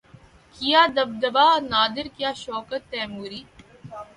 کیا دبدبۂ نادر کیا شوکت تیموری